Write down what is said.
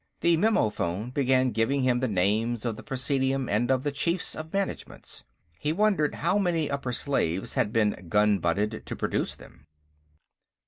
The memophone began giving him the names of the Presidium and of the Chiefs of Managements. He wondered how many upper slaves had been gunbutted to produce them.